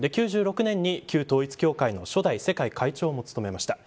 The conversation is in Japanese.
９６年に旧統一教会の初代世界会長も務めました。